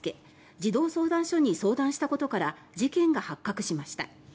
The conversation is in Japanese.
児童相談所に通報したことから事件が発覚しました。